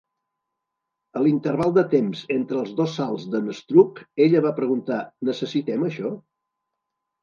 A l'interval de temps entre els dos salts d'en Strug, ella va preguntar, Necessitem això?